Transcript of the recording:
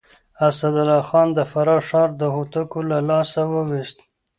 اسدالله خان د فراه ښار د هوتکو له لاسه وويست.